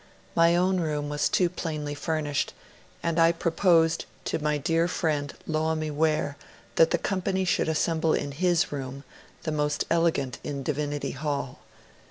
My own room was too plainly furnished ; and I proposed to my dear friend Loammi Ware that the company should assemble in his room, the most elegant in Divinity Hall.